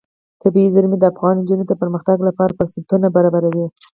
طبیعي زیرمې د افغان نجونو د پرمختګ لپاره فرصتونه برابروي.